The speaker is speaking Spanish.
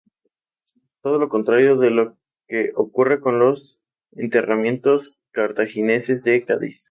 Todo lo contrario de lo que ocurre con los enterramientos cartagineses de Cádiz.